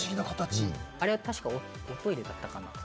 あれは確か、おトイレだったかな？